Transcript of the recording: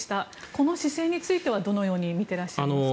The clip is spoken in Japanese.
この姿勢については、どのように見ていらっしゃいますか。